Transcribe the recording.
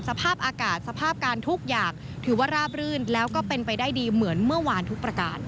สภาพอากาศสภาพการทุกอย่างถือว่าราบรื่นแล้วก็เป็นไปได้ดีเหมือนเมื่อวานทุกประการ